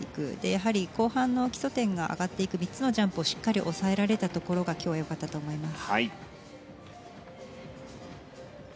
やはり後半の基礎点が上がっていく３つのジャンプをしっかり押さえられたところが今日はよかったと思います。